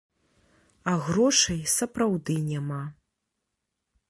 А грошай сапраўды няма.